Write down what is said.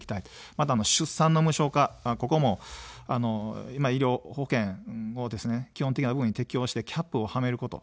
また、出産の無償化、ここも医療保険を基本的に適用してキャップをはめること。